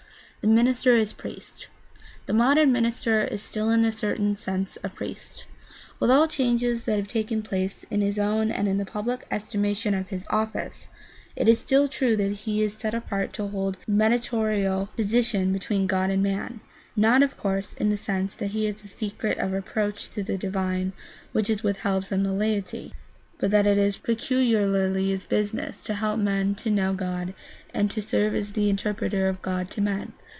The minister as priest. — The modern minister is still in a certain sense a priest. With all the changes that have taken place in his own and in the public estimation of his office, it is still true that he is set apart to hold a mediatorial position between God and man — not, of course, in the sense that he has the secret of approach to the divine which is withheld from the laity, but that it is peculiarly his business to help men to know God and to serve as the interpreter of God to men.